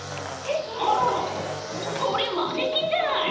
「あららこれマネキンじゃない」